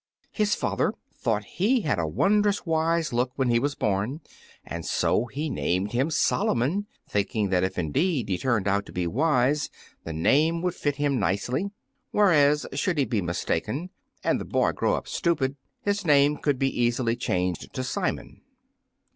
His father thought he had a wond'rous wise look when he was born, and so he named him Solomon, thinking that if indeed he turned out to be wise the name would fit him nicely, whereas, should he be mistaken, and the boy grow up stupid, his name could be easily changed to Simon.